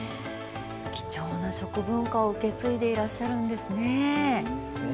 貴重な食文化を受け継いでいらっしゃるんですね。